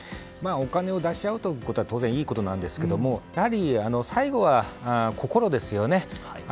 お金を出し合うことは当然いいことなんですがやはり、最後は心ですよね。